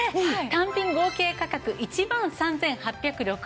単品合計価格１万３８６０円のところ